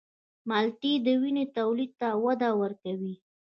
مالټې د وینې تولید ته وده ورکوي.